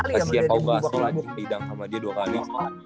kasihan pau gasol lagi lidang sama dia dua kali